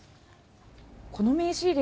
この名刺入れ